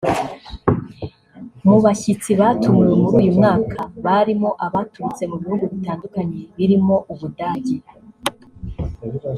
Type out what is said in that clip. Mu bashyitsi batumiwe muri uyu mwaka barimo abaturutse mu bihugu bitandukanye birimo u Budage